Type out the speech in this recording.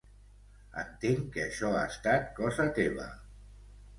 Entenc que això ha estat cosa teva.